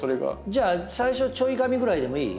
じゃあ最初ちょいがみぐらいでもいい？